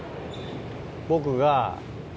僕が。